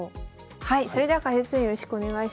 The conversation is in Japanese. はいそれでは解説よろしくお願いします。